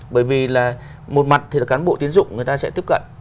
bởi vì là một mặt thì là cán bộ tiến dụng người ta sẽ tiếp cận